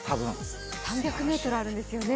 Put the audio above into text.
３００ｍあるんですよね。